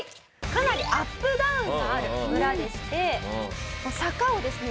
かなりアップダウンのある村でして坂をですね